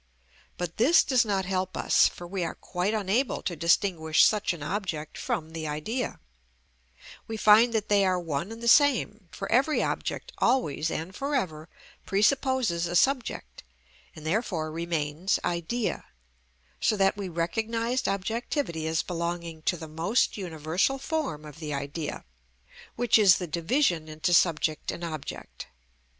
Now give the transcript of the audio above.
But this does not help us, for we are quite unable to distinguish such an object from the idea; we find that they are one and the same; for every object always and for ever presupposes a subject, and therefore remains idea, so that we recognised objectivity as belonging to the most universal form of the idea, which is the division into subject and object.